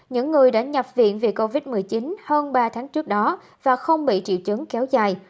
những người đã nhập viện vì covid một mươi chín hơn ba tháng trước đó và không bị triệu chứng kéo dài